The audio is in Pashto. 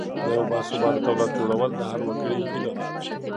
د یو باثباته دولت جوړول د هر وګړي هیله ده.